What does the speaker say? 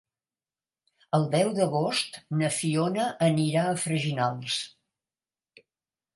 El deu d'agost na Fiona anirà a Freginals.